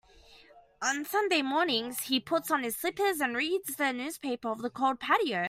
On Sunday mornings, he puts on his slippers and reads the newspaper on the cold patio.